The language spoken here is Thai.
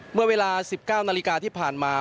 เมื่อเวลา๑๙นาฬิกาที่ผ่านมา